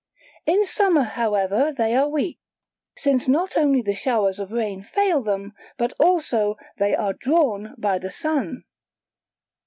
In summer however they are weak, since not only the showers of rain fail them, but also they are drawn by the Sun.